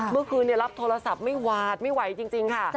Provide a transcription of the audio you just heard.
เมื่อคืนรับโทรศัพท์ไม่หวาดไม่ไหวจริงค่ะ